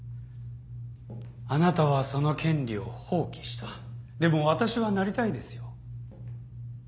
あなたはその権利を放棄したでも私はなりたいですよ。